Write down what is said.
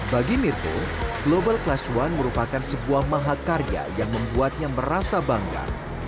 bagi mirko global class one merupakan sebuah mahakarya yang membuatnya merasa bangga